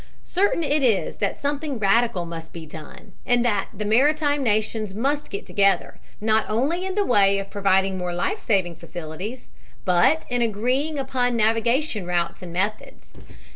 Certain it is that something radical must be done, and that the maritime nations must get together, not only in the way of providing more life saving facilities, but in agreeing upon navigation routes and methods.